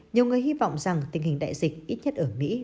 nhiều người hy vọng rằng tình hình đại dịch ít nhất ở mỹ